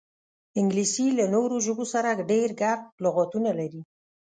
انګلیسي له نورو ژبو سره ډېر ګډ لغاتونه لري